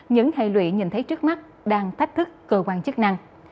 những hệ lụy nhìn thấy trước mắt đang thách thức cơ quan chức năng